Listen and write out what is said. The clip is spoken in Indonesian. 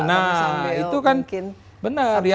nah itu kan benar ya